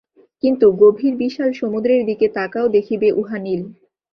কিন্তু গভীর বিশাল সমুদ্রের দিকে তাকাও, দেখিবে উহা নীল।